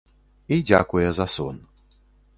І дзякуе за сон.